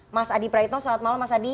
mas adi praitno selamat malam mas adi